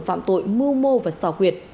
phạm tội mưu mô và xò quyệt